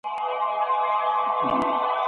لويه جرګه به د سترو ملي پروژو ملاتړ کوي.